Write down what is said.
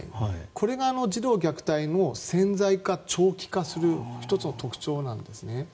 これが児童虐待を潜在化、長期化する１つの特徴なんです。